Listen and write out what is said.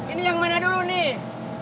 ini yang mana dulu nih